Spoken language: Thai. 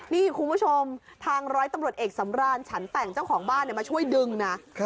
นี่คุณผู้ชมทางร้อยตำรวจเอกสำราญฉันแต่งเจ้าของบ้านมาช่วยดึงนะ